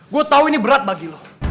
gue tahu ini berat bagi lo